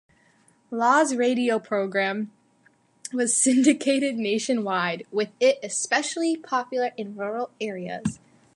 Laws' radio program was syndicated nationwide, with it especially popular in rural areas.